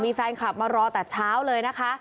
มีแฟนคลับมารอแต่เช้าเลยนะคะ